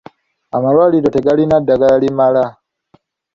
Amalwaliro tegalina ddagala limala.